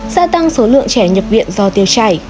gia tăng số lượng trẻ nhập viện do tiêu chảy